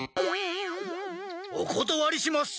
おことわりします！